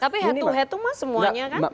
tapi head to head to mah semuanya kan